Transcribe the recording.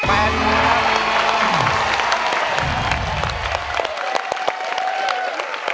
แปลก